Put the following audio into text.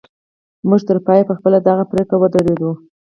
موږ تر پایه پر خپله دغه پرېکړه ودرېدو